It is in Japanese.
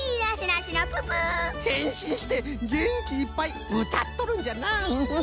へんしんしてげんきいっぱいうたっとるんじゃなあ。